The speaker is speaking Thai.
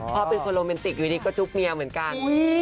พ่อเป็นคนโรแมนติกอยู่ดีก็จุ๊บเมียเหมือนกัน